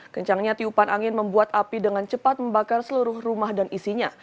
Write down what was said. kencangnya tiupan angin membuat api dengan cepat membakar seluruh rumah dan isinya